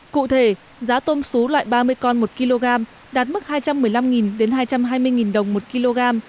cụ thể giá tôm xú loại ba mươi con một kg đạt mức hai trăm một mươi năm hai trăm hai mươi đồng một kg